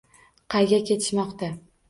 Qayga ketishmoqda?